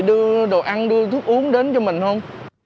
đưa đồ ăn đưa thuốc uống đến cho mình hơn